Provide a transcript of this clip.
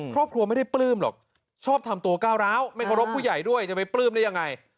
ครอบครัวไม่ได้ปลื้มหรอกชอบทำตัวก้าวร้าวไม่เคารพผู้ใหญ่ด้วยจะไปปลื้มได้ยังไง